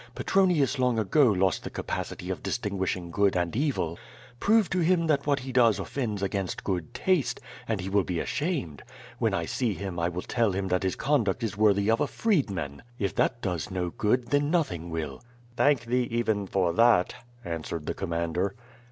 Petronius long ago lost the capacity of distinguishing good and evil. Prove to him that what he does offends against good taste, and he will be ashamed. When I see him I will tell him his conduct is worthy of a freedman. If that does no good, then nothing will.'' "Thank thee even for that," answered the commander.